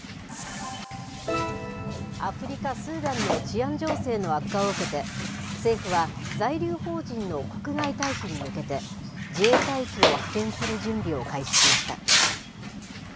アフリカ・スーダンの治安情勢の悪化を受けて、政府は、在留邦人の国外退避に向けて、自衛隊機を派遣する準備を開始しました。